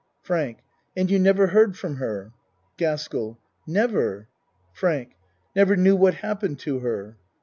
FRANK And you never heard from her? GASKELL Never. FRANK Never knew what happened to her?